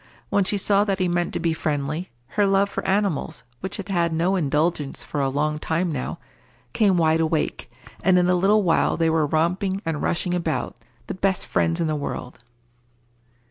When she saw that he meant to be friendly, her love for animals, which had had no indulgence for a long time now, came wide awake, and in a little while they were romping and rushing about, the best friends in the world.